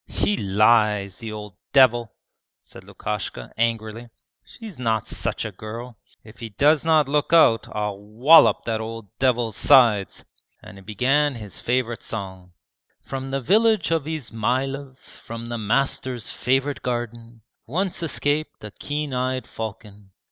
'He lies, the old devil!' said Lukashka, angrily. 'She's not such a girl. If he does not look out I'll wallop that old devil's sides,' and he began his favourite song: 'From the village of Izmaylov, From the master's favourite garden, Once escaped a keen eyed falcon.